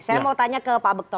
saya mau tanya ke pak bekto